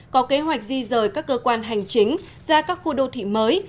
có kế hoạch di rời các cơ quan hành chính ra các khu đô thị mới